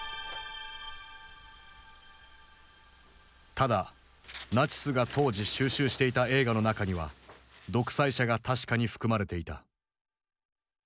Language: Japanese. ただナチスが当時収集していた映画の中には「独裁者」が確かに含まれていた。